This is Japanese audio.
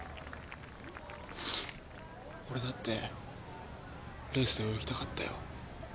俺だってレースで泳ぎたかったよ。